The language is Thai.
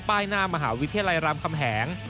หน้ามหาวิทยาลัยรามคำแหง